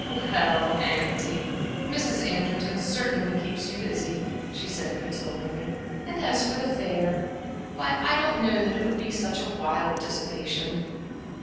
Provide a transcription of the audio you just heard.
"Well, auntie, Mrs. Anderton certainly keeps you busy," she said, consolingly "and as for the fair why, I don't know that it would be such wild dissipation."